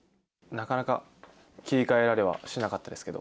なかなか切り替えられはしなかったですけど。